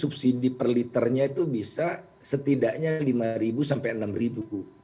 subsidi per liternya itu bisa setidaknya rp lima sampai rp enam